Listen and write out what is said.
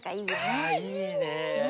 あいいね。